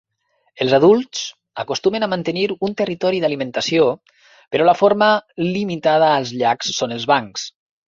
Els adults acostumen a mantenir un territori d'alimentació, però la forma limitada als llacs són els bancs.